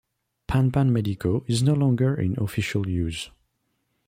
"Pan-pan medico" is no longer in official use.